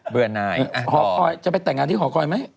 ื่อนายหอคอยจะไปแต่งงานที่หอคอยไหม